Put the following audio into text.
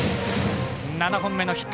７本目のヒット。